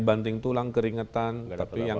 banting tulang keringetan tapi yang